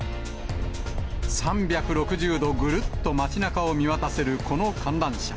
３６０度ぐるっと街なかを見渡せるこの観覧車。